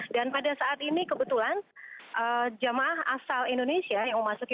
dan pada saat ini kebetulan jemaah asal indonesia yang memasukkan